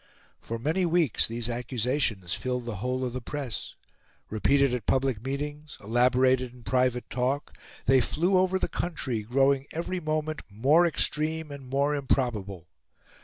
For many weeks these accusations filled the whole of the press; repeated at public meetings, elaborated in private talk, they flew over the country, growing every moment more extreme and more improbable.